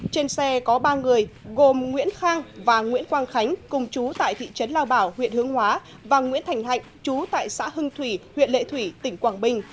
trên xe có ba người gồm nguyễn khang và nguyễn quang khánh cùng chú tại thị trấn lao bảo huyện hướng hóa và nguyễn thành hạnh chú tại xã hưng thủy huyện lệ thủy tỉnh quảng bình